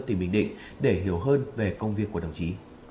tỉnh bình định để hiểu hơn về công việc của đồng chí